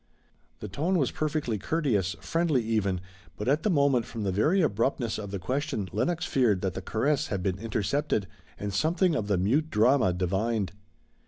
The tone was perfectly courteous, friendly, even, but at the moment from the very abruptness of the question Lenox feared that the caress had been intercepted and something of the mute drama divined.